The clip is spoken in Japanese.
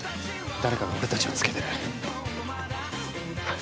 誰かが俺達をつけてる。